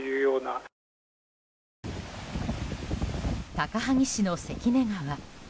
高萩市の関根川。